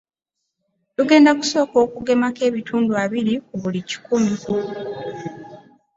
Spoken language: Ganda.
Tugenda kusooka okugemako ebitundu abiri ku buli kikumi.